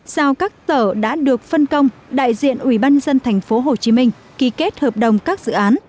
giao các tở đã được phân công đại diện ủy ban nhân dân tp hcm ký kết hợp đồng các dự án